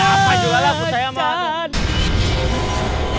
udah apa juga lah aku sayang banget